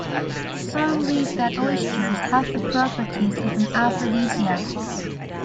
Some believe that oysters have the properties of an aphrodisiac.